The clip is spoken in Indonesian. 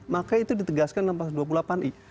maka itu ditegaskan dalam pasal dua puluh delapan i